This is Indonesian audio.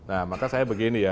nah maka saya begini ya